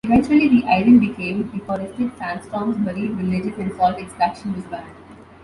Eventually the island became deforested, sandstorms buried villages, and salt extraction was banned.